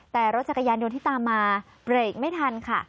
แต่รถจักรยานยนต์ที่ตามมาเบรกไม่ทันค่ะ